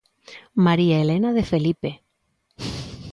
María Helena de Felipe.